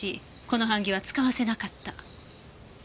この版木は使わせなかった。